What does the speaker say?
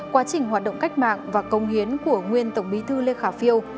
quá trình hoạt động cách mạng và công hiến của nguyên tổng bí thư lê khả phiêu